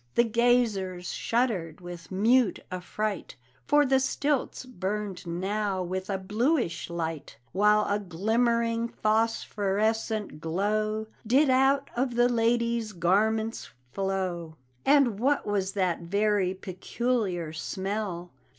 The gazers shuddered with mute affright, For the stilts burned now with a bluish light, While a glimmering, phosphorescent glow Did out of the lady's garments flow. And what was that very peculiar smell?